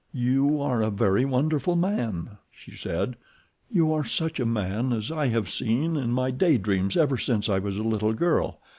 "You are a very wonderful man," she said. "You are such a man as I have seen in my daydreams ever since I was a little girl.